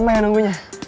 lama ya nunggunya